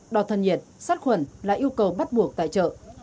đo thân nhiệt sát khuẩn là yêu cầu bắt buộc tại chợ